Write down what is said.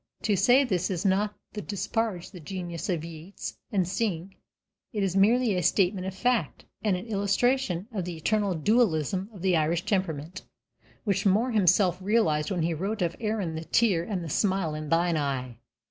To say this is not to disparage the genius of Yeats and Synge; it is merely a statement of fact and an illustration of the eternal dualism of the Irish temperament, which Moore himself realized when he wrote of "Erin, the tear and the smile in thine eye."